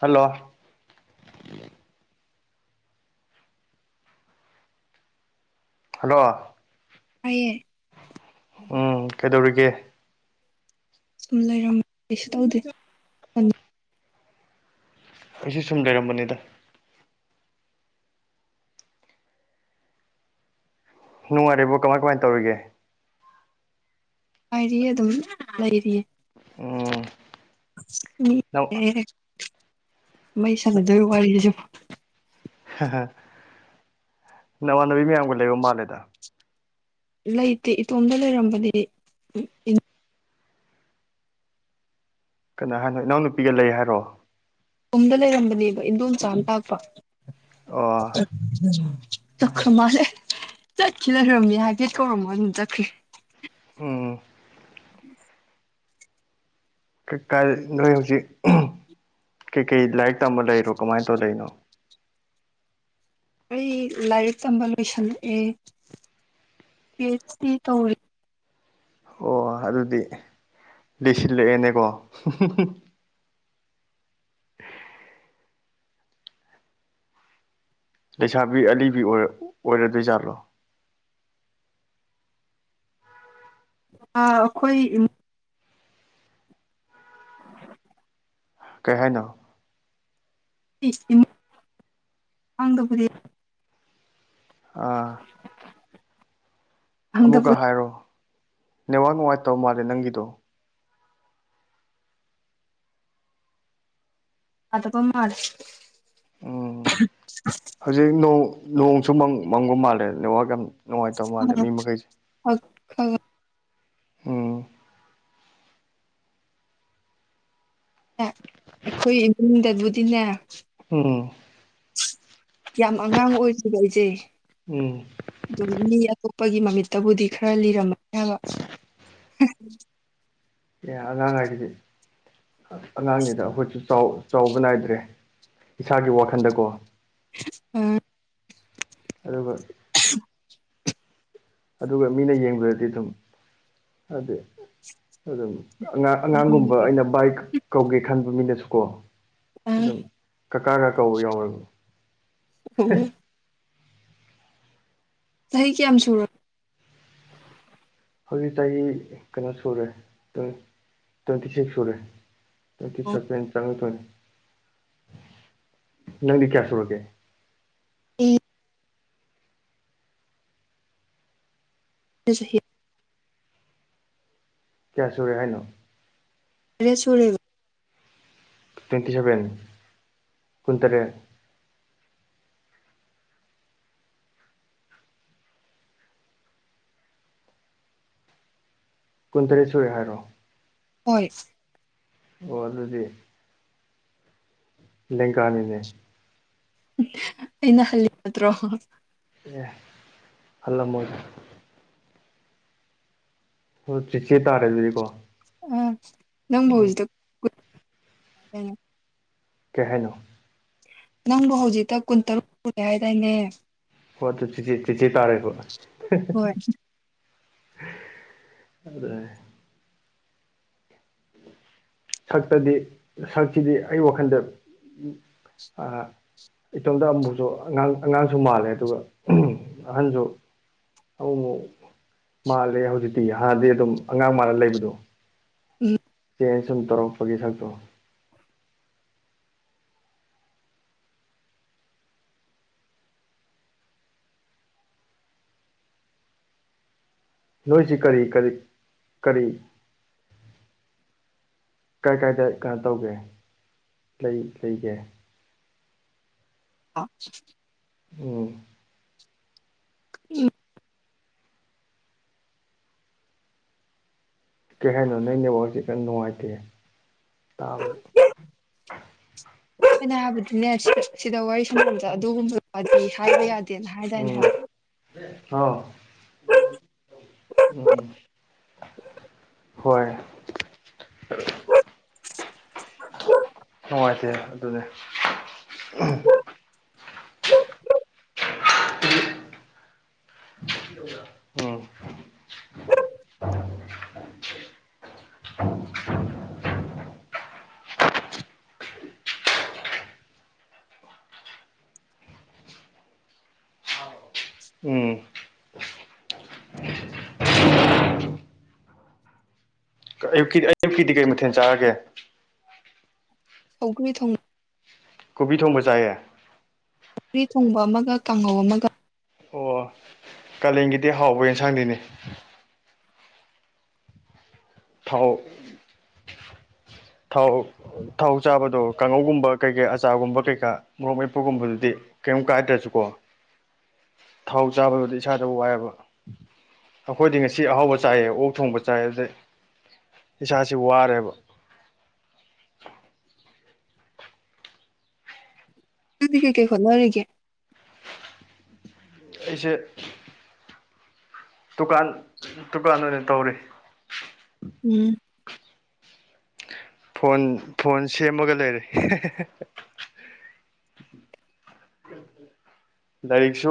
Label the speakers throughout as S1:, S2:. S1: hello hello
S2: ꯇꯌꯦ
S1: ꯎꯝ ꯀꯩꯗꯧꯔꯤꯒꯦ
S2: ꯁꯨꯝ ꯂꯩꯔꯝꯕ ꯀꯩꯁꯨ ꯇꯧꯗꯦꯗ
S1: ꯑꯩꯁꯨ ꯁꯨꯝ ꯂꯩꯔꯝꯕꯅꯤꯗ ꯅꯨꯡꯉꯥꯏꯔꯤꯕꯣ ꯀꯃꯥꯏ ꯀꯃꯥꯏꯅ ꯇꯧꯔꯤꯒꯦ
S2: ꯍꯥꯏꯔꯤꯌꯦ ꯑꯗꯨꯝ ꯂꯩꯔꯤꯌꯦ
S1: ꯎꯝ ꯅꯪ
S2: [unintelligible] ꯃꯩ ꯁꯥꯕꯤꯗꯣꯢꯔꯣ ꯋꯔꯤꯗꯁꯨ
S1: ꯅꯃꯥꯟꯅꯕꯤ ꯃꯌꯥꯝꯒ ꯂꯩꯕ ꯃꯥꯜꯂꯦꯗ
S2: ꯂꯩꯇꯦ ꯏꯇꯣꯝꯗ ꯂꯩꯔꯝꯕꯅ
S1: ꯀꯅꯥ ꯍꯥꯏꯅꯣ ꯏꯅꯥꯎ ꯅꯨꯄꯤꯒ ꯂꯩ ꯍꯥꯏꯔꯣ
S2: ꯀꯨꯝꯗ ꯂꯩꯔꯝꯕꯅꯦꯕ ꯏꯟꯗꯣꯝꯆꯥꯥꯑꯝ ꯂꯥꯛꯄ
S1: ꯑꯣ
S2: ꯆꯠꯈ꯭ꯔꯃꯥꯜꯂꯦ ꯆꯠꯈꯤ ꯂꯩꯈꯔꯝꯃꯤ ꯍꯥꯏꯑꯦꯠ ꯀꯧꯔꯝꯃ ꯑꯗꯨꯝ ꯆꯠꯈ꯭ꯔꯦ
S1: ꯎꯝ
S2: [inaudible]
S1: ꯀ ꯀꯥꯏꯗꯩ ꯅꯣꯏ ꯍꯧꯖꯤꯛ ꯎꯝ ꯀꯩꯀꯩ ꯂꯥꯏꯔꯤꯛ ꯇꯝꯕ ꯂꯩꯔꯣ ꯀꯃꯥꯏ ꯇꯧ ꯂꯩꯔꯤꯅꯣ
S2: ꯑꯩ ꯂꯥꯏꯔꯤꯛ ꯇꯝꯕ ꯂꯣꯏꯁꯜꯂꯛꯑꯦ ꯄꯤ ꯑꯩꯆ ꯗꯤ ꯇꯧꯔꯤ
S1: ꯑꯣ ꯑꯗꯨꯗꯤ ꯂꯤꯁꯤꯜꯂꯛꯑꯦꯅꯦꯀꯣ ꯂꯩꯁꯥꯕꯤ ꯑꯂꯤꯕꯤ ꯑꯣꯏꯔ ꯑꯣꯏꯔꯗꯣꯏꯖꯥꯠꯂꯣ
S2: ꯑ ꯑꯈꯣꯏ ꯏꯃꯨ
S1: ꯀꯩ ꯍꯥꯏꯅꯣ
S2: [unintelligible] ꯍꯥꯡꯗꯕꯨꯗꯤ
S1: ꯑꯥ
S2: [inaudible]
S1: ꯑꯃꯨꯛꯀ ꯍꯥꯏꯔꯣ ꯅꯦꯠꯋꯥꯛ ꯅꯨꯡꯉꯥꯏꯇꯕ ꯃꯥꯜꯂꯦ ꯅꯪꯒꯤꯗꯣ
S2: ꯑꯗꯄ ꯃꯥꯜꯂꯦ [unintelligible]
S1: ꯍꯧꯖꯤꯛꯅꯣꯡ ꯅꯣꯡꯁꯨ ꯃꯪ ꯃꯪꯕ ꯃꯥꯜꯂꯦ ꯅꯦꯠꯋꯥꯛ ꯌꯥꯝ ꯅꯨꯡꯉꯥꯏꯇꯕ ꯃꯥꯜꯂꯦ ꯃꯤ ꯃꯈꯩꯁꯦ
S2: ꯈ ꯈ
S1: ꯎꯝ
S2: ꯑꯩꯈꯣꯏ ꯏꯃꯨꯡꯗꯕꯨꯗꯤꯅꯦ
S1: ꯎꯝ
S2: ꯌꯥꯝ ꯑꯉꯥꯡ ꯑꯣꯏꯁꯤꯕ ꯑꯩꯖꯦ
S1: ꯎꯝ
S2: ꯑꯗꯨꯝ ꯃꯤ ꯑꯇꯣꯞꯄꯒꯤ ꯃꯃꯤꯠꯇꯕꯨꯗꯤ ꯈꯔ ꯂꯤꯔꯝꯃꯅꯤ ꯍꯥꯏꯕ
S1: ꯑꯦ ꯑꯉꯥꯡ ꯍꯥꯏꯁꯤꯗꯤ ꯑꯉꯥꯡꯅꯤꯗ ꯑꯈꯣꯏꯁꯨ ꯆꯥꯎ ꯆꯥꯎꯕ ꯅꯥꯏꯗ꯭ꯔꯦ ꯏꯁꯥꯒꯤ ꯋꯥꯈꯟꯗꯀꯣ
S2: ꯎꯝ
S1: ꯑꯗꯨꯒ ꯑꯗꯨꯒ ꯃꯤꯅ ꯌꯦꯡꯕꯗꯗꯤ ꯑꯗꯨꯝ ꯍꯥꯏꯗꯤ ꯑꯗꯨꯝ ꯑꯉꯥꯡ ꯑꯉꯥꯡꯒꯨꯝꯕ ꯑꯩꯅ ꯕꯥꯏ ꯀꯧꯒꯦ ꯈꯟꯕ ꯃꯤꯅꯁꯨꯀꯣ
S2: ꯑ
S1: ꯑꯗꯨꯝ ꯀꯀꯥ ꯒ ꯀꯧꯕ ꯌꯥꯎꯋꯦꯕ
S2: [unintelligible] ꯆꯍꯤ ꯀꯌꯥꯝ ꯁꯨꯔ
S1: ꯍꯧꯖꯤꯛ ꯆꯍꯤ ꯀꯩꯅꯣ ꯁꯨꯔꯦ ꯇ꯭ꯋꯦꯟ ꯇ꯭ꯋꯦꯟꯇꯤ ꯁꯤꯛꯁ ꯁꯨꯔꯦ ꯇ꯭ꯋꯦꯟꯇꯤ ꯁꯚꯦꯟ ꯆꯪꯉꯛꯇꯣꯏꯅꯤ ꯅꯪꯗꯤ ꯀꯌꯥ ꯁꯨꯔꯒꯦ
S2: ꯢ ꯖꯨ ꯆꯍꯤ
S1: ꯀꯌꯥ ꯁꯨꯔꯦ ꯍꯥꯏꯅꯣ
S2: ꯇꯔꯦꯠ ꯁꯨꯔꯦꯕ
S1: ꯇ꯭ꯋꯦꯟꯇꯤ ꯁꯚꯦꯟ ꯀꯨꯟ ꯇꯔꯦꯠ ꯀꯨꯟꯇꯔꯦꯠ ꯁꯨꯔꯦ ꯍꯥꯏꯔꯣ
S2: ꯍꯣꯏ
S1: ꯑꯣ ꯑꯗꯨꯗꯤ ꯂꯦꯡꯒꯥꯅꯤꯅꯦ
S2: [unintelligible] ꯑꯩꯅ ꯍꯜꯂꯤ ꯅꯠꯇ꯭ꯔꯣ
S1: ꯑꯦ ꯍꯜꯂꯝꯃꯣꯢꯗ ꯍꯣ ꯆꯤꯆꯦ ꯇꯥꯔꯦ ꯑꯗꯨꯗꯤꯀꯣ
S2: ꯎꯝ ꯅꯪꯕꯨ
S1: ꯎꯝ
S2: ꯍꯨꯖꯤꯛꯇ [unintelligible]
S1: ꯀꯩꯍꯥꯢꯅꯣ
S2: ꯅꯪꯕꯨ ꯍꯧꯖꯤꯛꯇ ꯀꯨꯟꯇꯔꯨꯛ ꯁꯨꯔꯦ ꯍꯥꯏꯗꯥꯏꯅꯦ
S1: ꯍꯣ ꯑꯗꯨ ꯆꯤꯆꯦ ꯆꯤꯆꯦ ꯇꯥꯔꯦꯕ ꯍꯦꯍꯦ
S2: ꯍꯣꯏ
S1: [unintelligible] ꯑꯗꯨꯅꯦ ꯁꯛꯇꯗꯤ ꯁꯛꯁꯤꯗꯤ ꯑꯩ ꯋꯥꯈꯜꯗ ꯑꯥ ꯏꯇꯣꯝꯇ ꯑꯃꯨꯛꯁꯨ ꯑꯉꯥꯡ ꯑꯉꯥꯡꯁꯨ ꯃꯥꯜꯂꯦ ꯑꯗꯨꯒ ꯑꯍꯟꯁꯨ ꯑꯃꯨꯛ ꯑꯃꯨꯛ ꯃꯥꯜꯂꯦ ꯍꯧꯖꯤꯛꯇꯤ ꯍꯥꯟꯅꯗꯤ ꯑꯗꯨꯝ ꯑꯉꯥꯡ ꯃꯥꯜꯂ ꯂꯩꯕꯗꯣ
S2: ꯎ
S1: ꯀꯩꯅꯣ ꯁꯨꯝ ꯇꯧꯔꯛꯄꯒꯤ ꯁꯛꯇꯣ ꯅꯣꯏꯁꯤ ꯀꯔꯤ ꯀꯔꯤ ꯀꯔꯤ ꯀꯥꯏ ꯀꯥꯏꯗ ꯀꯩꯅꯣ ꯇꯧꯒꯦ ꯂꯩ ꯂꯩꯒꯦ
S2: ꯍ [unintelligible]
S1: ꯎꯝ
S2: ꯎꯝ
S1: ꯀꯩ ꯍꯥꯏꯅꯣ ꯅꯪ ꯅꯦꯋꯥꯛꯖꯤ ꯈꯤꯇꯪ ꯅꯨꯡꯉꯥꯏꯇꯦ ꯇꯥꯕ
S2: ꯏꯩꯅ ꯍꯥꯏꯕꯗꯤꯅꯦ ꯁꯤ ꯁꯤꯗ ꯋꯥꯔꯤ ꯁꯅꯕꯗ ꯑꯗꯨꯒꯨꯝꯕ ꯋꯥꯔꯤ ꯍꯥꯏꯕ ꯌꯥꯗꯦꯅ ꯍꯥꯏꯗꯥꯏꯅꯦ
S1: ꯎꯝ
S2: ꯍꯥꯏꯕ
S1: ꯑꯥ [inaudible] ꯑꯣꯝ ꯍꯣꯏ ꯅꯨꯡꯉꯥꯏꯇꯦ ꯑꯗꯨꯅꯦ [unintelligible] ꯎꯝ ꯎꯝ
S2: [inaudible] [inaudible]
S1: ꯀ ꯑꯌꯨꯛꯀꯤꯗꯤ ꯑꯌꯨꯛꯀꯤꯗꯤ ꯀꯩ ꯃꯊꯦꯜ ꯆꯥꯔꯒꯦ
S2: ꯁꯧꯒ꯭ꯔꯤ ꯊꯣꯡ
S1: ꯀꯣꯕꯤ ꯊꯣꯡꯕ ꯆꯥꯏꯌꯦ
S2: ꯁꯧꯒ꯭ꯔꯤ ꯊꯣꯡꯕ ꯑꯃꯒ ꯀꯥꯡꯉꯧ ꯑꯃꯒ
S1: ꯑꯣ ꯀꯥꯂꯦꯟꯒꯤꯗꯤ ꯍꯥꯎꯕ ꯑꯦꯟꯁꯥꯡꯅꯤꯅꯦ ꯊꯥꯎ ꯊꯥꯎ ꯊꯥꯎ ꯆꯥꯕꯗꯣ ꯀꯥꯡꯉꯧꯒꯨꯝꯕ ꯀꯩꯀꯩ ꯑꯆꯥꯔꯒꯨꯝꯕ ꯀꯩꯀꯥ ꯃꯣꯔꯣꯛ ꯃꯦꯠꯄꯒꯨꯝꯕꯗꯨꯗꯤ ꯀꯩꯝ ꯀꯥꯏꯗ꯭ꯔꯁꯨꯀꯣ ꯊꯥꯎ ꯆꯥꯕꯗꯨꯗꯤ ꯏꯁꯥꯗ ꯋꯥꯏꯌꯦꯕ ꯑꯩꯈꯣꯏꯗꯤ ꯉꯁꯤ ꯑꯍꯥꯎꯕ ꯆꯥꯏꯌꯦ ꯑꯣꯛ ꯊꯣꯡꯕ ꯆꯥꯏꯌꯦ ꯑꯗꯨꯗꯩ ꯏꯁꯥꯁꯦ ꯋꯥꯔꯦꯕ
S2: ꯅꯪꯗꯤ ꯀꯩ ꯀꯩ ꯍꯣꯠꯅꯔꯤꯒꯦ
S1: ꯑꯩꯁꯦ ꯗꯨꯀꯥꯟ ꯗꯨꯀꯥꯟ ꯑꯣꯏꯅ ꯇꯧꯔꯤ
S2: ꯎꯝ
S1: ꯐꯣꯟ ꯐꯣꯟ ꯁꯦꯝꯃꯒ ꯂꯩꯔꯤ ꯂꯥꯏꯔꯤꯛꯁꯨ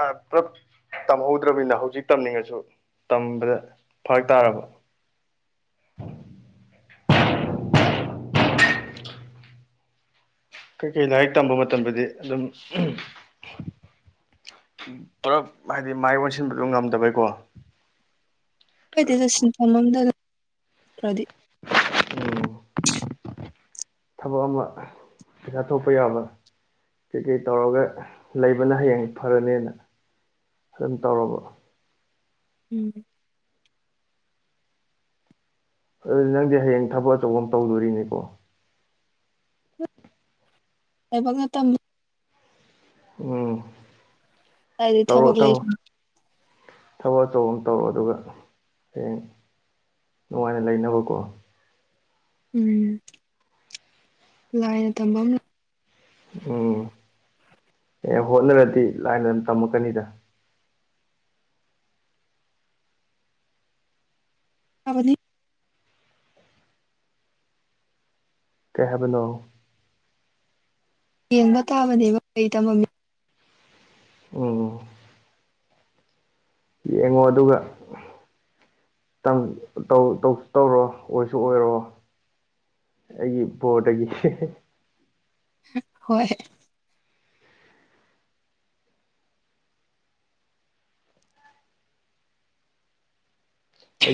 S1: ꯑ ꯄꯨꯂꯞ ꯇꯝꯍꯧꯗ꯭ꯔꯕꯅꯤꯅ ꯍꯧꯖꯤꯛ ꯇꯝꯅꯤꯡꯉꯁꯨ ꯇꯝꯕꯗ ꯐꯔꯛ ꯇꯥꯔꯕ ꯀꯩꯀꯩ ꯂꯥꯏꯔꯤꯛ ꯇꯝꯕ ꯃꯇꯝꯗꯗꯤ ꯑꯗꯨꯝ ꯎꯝ ꯄꯨꯂꯞ ꯍꯥꯏꯗꯤ ꯃꯥꯏ ꯑꯣꯟꯁꯤꯟꯕꯗꯣ ꯉꯝꯗꯕꯩꯀꯣ
S2: ꯀꯥꯏꯗꯦꯗ ꯁꯤꯟꯐꯝ ꯑꯝꯗ ꯂꯩꯈ꯭ꯔꯗꯤ
S1: ꯎꯝ ꯊꯕꯛ ꯑꯃ ꯄꯩꯁꯥ ꯊꯣꯛꯄ ꯌꯥꯕ ꯀꯩꯀꯩ ꯇꯧꯔꯒ ꯂꯩꯕꯅ ꯍꯌꯦꯡ ꯐꯔꯅꯦꯅ ꯑꯗꯨꯝ ꯇꯧꯔꯕ
S2: ꯎꯝ
S1: ꯑꯗꯨꯗꯤ ꯅꯪꯗꯤ ꯍꯌꯦꯡ ꯊꯕꯛ ꯑꯆꯧꯕ ꯑꯃ ꯇꯧꯗꯣꯔꯤꯅꯦꯀꯣ
S2: ꯂꯥꯏꯕꯛꯅ ꯇꯝ
S1: ꯎꯝ
S2: ꯀꯗꯥꯏꯗꯤ
S1: ꯇꯧꯔꯣ
S2: ꯊꯕꯛ ꯂꯩ
S1: ꯇꯧꯔꯣ ꯊꯕꯛ ꯑꯆꯧꯕ ꯑꯃ ꯇꯧꯔ ꯑꯗꯨꯒ ꯍꯌꯦꯡ ꯅꯨꯡꯉꯥꯏꯅ ꯂꯩꯅꯕꯀꯣ
S2: ꯎꯝ ꯅꯨꯡꯉꯥꯏꯅ ꯊꯝꯕ
S1: ꯎꯝ ꯑꯦ ꯍꯣꯠꯅꯔꯗꯤ ꯂꯥꯏꯅ ꯑꯗꯨꯝ ꯇꯝꯃꯛꯀꯅꯤꯗ
S2: ꯇꯕꯅꯤ
S1: ꯀꯩ ꯍꯥꯏꯕꯅꯣ
S2: ꯌꯦꯡꯕ ꯇꯥꯕꯅꯦꯕ ꯀꯩ ꯇꯝꯃꯝꯃꯤꯅꯣ
S1: ꯎꯝ ꯌꯦꯡꯉꯣ ꯑꯗꯨꯒ ꯇꯝ ꯇꯧ ꯇꯧꯁꯨ ꯇꯧꯔꯣ ꯑꯣꯏꯁꯨ ꯑꯣꯏꯔꯣ ꯑꯩꯒꯤ ꯕꯣꯔꯗꯒꯤ
S2: ꯍꯣꯏ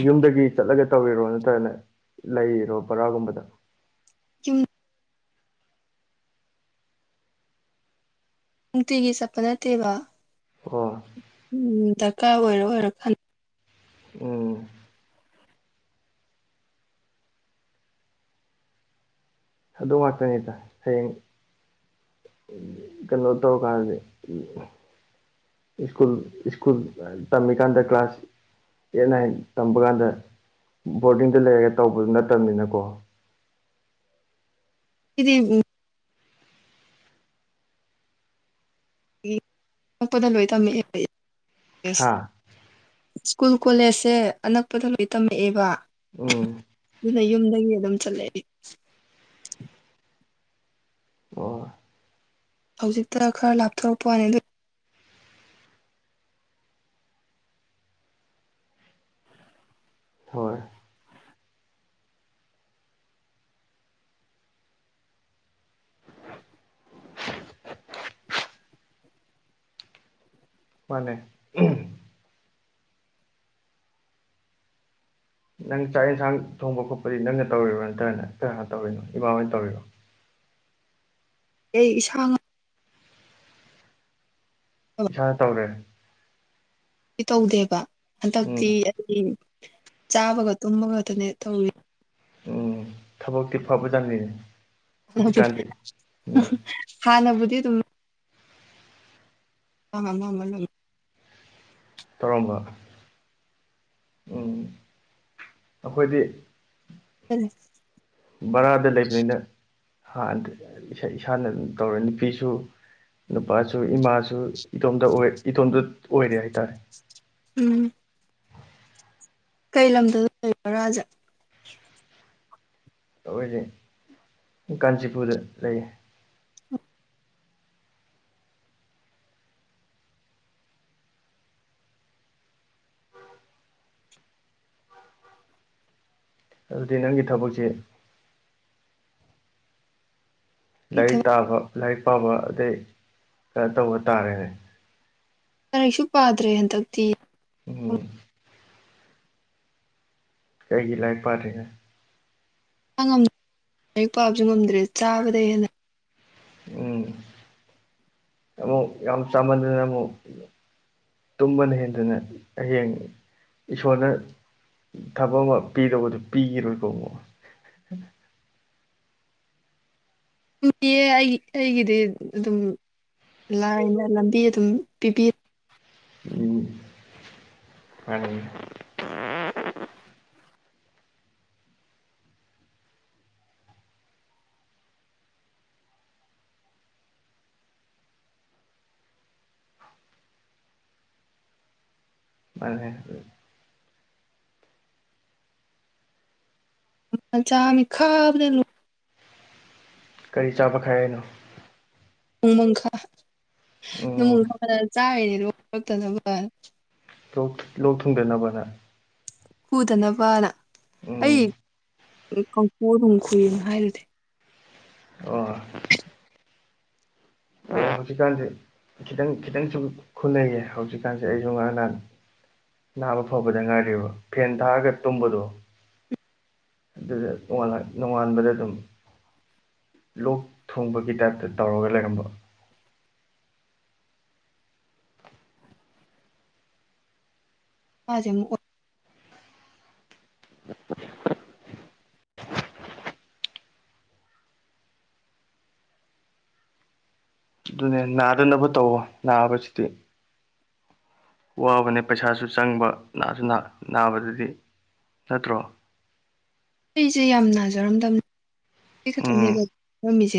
S1: ꯌꯨꯝꯗꯒꯤ ꯆꯠꯂꯒ ꯇꯧꯔꯤꯔꯣ ꯅꯠꯇ꯭ꯔꯅ ꯂꯩꯔꯤꯔꯣ ꯕꯥꯔꯥꯒꯨꯝꯕꯗ
S2: ꯌꯨꯝ ꯅꯨꯡꯇꯤꯒꯤ ꯆꯠꯄ ꯅꯠꯇꯦꯕ
S1: ꯑꯣ
S2: ꯎꯝ ꯗꯔꯀꯔ ꯑꯣꯏꯔ ꯑꯣꯏꯔ ꯀꯥꯟ
S1: ꯎꯝ ꯑꯗꯨ ꯉꯥꯛꯇꯅꯤꯗ ꯍꯌꯦꯡ ꯀꯩꯅꯣ ꯇꯧꯔ ꯀꯥꯟꯗꯗꯤ ꯁ꯭ꯀꯨꯜ ꯁ꯭ꯀꯨꯜ ꯇꯝꯃꯤꯀꯥꯟꯗ ꯀ꯭ꯂꯥꯁ ꯑꯦꯠ ꯅꯥꯏꯟ ꯇꯝꯕ ꯀꯥꯟꯗ ꯕꯣꯔꯗꯤꯡꯗ ꯂꯩꯔꯒ ꯇꯧꯕꯗꯨ ꯅꯠꯇꯃꯤꯅꯀꯣ
S2: ꯑꯩꯗꯤ ꯎꯝ ꯢ ꯅꯛꯄꯗ ꯂꯣꯏ ꯇꯝꯃꯛꯑꯦ [unintelligible] ꯌꯦꯁꯤ
S1: ꯍꯥ
S2: ꯁ꯭ꯀꯨꯜ ꯀꯣꯂꯦꯖꯁꯦ ꯑꯅꯛꯄꯗ ꯂꯣꯏ ꯇꯝꯃꯛꯑꯦꯕ
S1: ꯎꯝ
S2: ꯑꯗꯨꯅ ꯌꯨꯝꯗꯒꯤ ꯑꯗꯨꯝ ꯆꯠꯂꯛꯑꯦ
S1: ꯑꯣ
S2: ꯍꯧꯖꯤꯛꯇ ꯈꯔ ꯂꯥꯞꯊꯣꯔꯛꯄ ꯋꯥꯅꯤ ꯑꯗꯨ
S1: ꯍꯣꯏ ꯃꯥꯅꯦ ꯅꯪ ꯆꯥꯛ ꯌꯦꯟꯁꯥꯡ ꯊꯣꯡꯕ ꯈꯣꯠꯄꯗꯤ ꯅꯪꯅ ꯇꯧꯔꯤꯔꯣ ꯅꯠꯇ꯭ꯔꯅ ꯀꯅꯥꯅ ꯇꯧꯔꯤꯅꯣ ꯏꯃꯥꯍꯣꯏꯅ ꯇꯧꯔꯤꯔꯣ
S2: ꯑꯩ ꯏꯁꯥꯅ
S1: ꯏꯁꯥꯅ ꯇꯧꯔꯦ
S2: ꯢ ꯇꯧꯗꯦꯕ
S1: ꯎꯝ
S2: ꯍꯟꯗꯛꯇꯤ ꯑꯩꯒꯤ ꯆꯥꯕꯒ ꯇꯨꯝꯕꯒ ꯑꯗꯨꯅꯦ ꯇꯧꯔꯤ
S1: ꯎꯝ ꯊꯕꯛꯇꯤ ꯐꯕꯖꯠꯅꯤ
S2: ꯍꯥꯟꯅꯕꯨꯗꯤ ꯑꯗꯨꯝ ꯑ [unintelligible]
S1: ꯇꯧꯔꯝꯕ ꯎꯝ ꯑꯩꯈꯣꯏꯗꯤ
S2: ꯍꯂꯦ [unintelligible]
S1: ꯕꯔꯥꯗ ꯂꯩꯕꯅꯤꯅ ꯍꯥꯟꯅꯗꯤ ꯏꯁꯥꯅ ꯑꯗꯨꯝ ꯇꯧꯔꯦ ꯅꯨꯄꯤꯁꯨ ꯅꯨꯄꯥꯁꯨ ꯏꯃꯥꯁꯨ ꯏꯇꯣꯝꯗ ꯑꯣꯢ ꯏꯇꯣꯝꯇ ꯑꯣꯏꯔꯦ ꯍꯥꯏꯇꯥꯔꯦ
S2: ꯎꯝ ꯀꯩ ꯂꯝꯗ ꯂꯩꯁꯦ ꯕꯔꯥꯖꯦ
S1: ꯑꯩꯈꯣꯏꯁꯦ ꯀꯥꯟꯆꯤꯄꯨꯔꯗ ꯂꯩꯌꯦ ꯑꯗꯨꯗꯤ ꯅꯪꯒꯤ ꯊꯕꯛꯁꯦ
S2: ꯑꯩ
S1: ꯂꯥꯏꯔꯤꯛ
S2: ꯊꯕꯛ
S1: ꯇꯥꯕ ꯂꯥꯏꯔꯤꯛ ꯄꯥꯕ ꯑꯗꯩ ꯈꯩꯅꯣ ꯇꯧꯕ ꯇꯥꯔꯦꯅ
S2: ꯂꯥꯢꯔꯤꯛꯁꯨ ꯄꯥꯗ꯭ꯔꯦ ꯍꯟꯗꯛꯇꯤ
S1: ꯎꯝ ꯀꯩꯒꯤ ꯂꯥꯏꯔꯤꯛ ꯄꯥꯗ꯭ꯔꯤꯅꯣ
S2: ꯏꯁꯥꯉꯝ ꯂꯥꯏꯔꯤꯛ ꯄꯥꯕꯁꯨ ꯉꯝꯗ꯭ꯔꯦ ꯆꯥꯕꯗꯩ ꯍꯦꯟꯅ
S1: ꯎꯝ ꯑꯃꯨꯛ ꯌꯥꯝ ꯆꯥꯃꯟꯗꯅ ꯑꯃꯨꯛ ꯇꯨꯝꯕꯅ ꯍꯦꯟꯗꯅ ꯍꯌꯦꯡ ꯏꯁꯣꯔꯅ ꯊꯕꯛ ꯑꯃ ꯄꯤꯔꯕꯗꯨ ꯄꯤꯈꯤꯔꯣꯏꯀꯣ ꯑꯃꯨꯛ
S2: ꯌꯦ ꯑꯩꯒꯤ ꯑꯩꯒꯤꯗꯤ ꯑꯗꯨꯝ ꯂꯥꯏꯅ ꯂꯝꯕꯤ ꯑꯗꯨꯝ ꯄꯤꯕꯤ
S1: ꯎꯝ [unintelligible] [unintelligible]
S2: ꯆꯥꯃꯤ ꯈꯥꯕꯗ ꯂꯣꯏ
S1: ꯀꯔꯤ ꯆꯥꯕ ꯈꯥꯏ ꯍꯥꯏꯅꯣ
S2: ꯅꯣꯡꯃꯪꯈꯥ
S1: ꯎꯝ
S2: ꯅꯣꯡꯃꯪꯈꯥꯗ ꯆꯥꯔꯤꯅꯦ ꯂꯣꯛ [inaudible] ꯔꯛꯇꯅꯕꯅ
S1: ꯂꯣꯛ ꯂꯣꯛ ꯊꯨꯡꯗ ꯅꯕ ꯅ
S2: ꯈꯨꯗꯅꯕꯅ
S1: ꯎꯝ
S2: ꯑꯩ ꯀꯪꯈꯨ ꯑꯗꯨꯨꯝ ꯈꯨꯨꯏꯅ ꯍꯥꯏꯗꯨꯗꯤ
S1: ꯑꯣ [unintelligible] ꯍꯧꯖꯤꯛꯀꯥꯟꯁꯦ ꯈꯤꯇꯪ ꯈꯤꯇꯪꯁꯨ ꯈꯨꯅꯩꯌꯦ ꯍꯧꯖꯤꯛꯀꯥꯟꯁꯦ ꯑꯩꯁꯨ ꯉꯔꯥꯡ ꯅꯍꯥꯟ ꯅꯥꯕ ꯐꯕꯗ ꯉꯥꯏꯔꯤꯕ ꯐꯦꯟ ꯊꯥꯔꯒ ꯇꯨꯝꯕꯗꯣ ꯑꯗꯨꯗ [unintelligible] ꯅꯣꯉꯥꯟꯕꯗ ꯑꯗꯨꯝ ꯂꯣꯛ ꯊꯨꯡꯕꯒꯤ ꯇꯥꯏꯞꯇ ꯇꯧꯔꯒ ꯂꯩꯔꯝꯕ
S2: [unintelligible]
S1: ꯑꯗꯨꯅꯦ ꯅꯥꯗꯅꯕ ꯇꯧꯑꯣ ꯅꯥꯕꯁꯤꯗꯤ ꯋꯥꯕꯅꯦ ꯄꯩꯁꯥꯁꯨ ꯆꯪꯕ ꯅꯥꯁꯨ ꯅꯥ ꯅꯥꯕꯗꯗꯤ ꯅꯠꯇ꯭ꯔꯣ
S2: ꯑꯩꯁꯦ ꯌꯥꯝ ꯅꯥꯖꯔꯝꯗꯝ [inaudible] ꯑꯩ
S1: ꯎꯝ
S2: ꯈꯛꯇꯅꯦꯕ [inaudible] ꯃꯤꯁꯦ